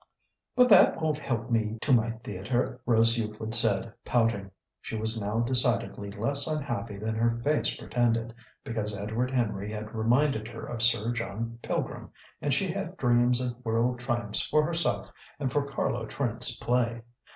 "But that won't help me to my theatre!" Rose Euclid said, pouting. She was now decidedly less unhappy than her face pretended, because Edward Henry had reminded her of Sir John Pilgrim, and she had dreams of world triumphs for herself and for Carlo Trent's play.